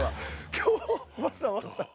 今日わざわざ。